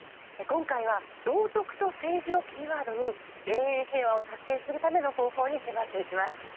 今回は「道徳と政治」をキーワードに永遠平和を達成するための方法に迫っていきます。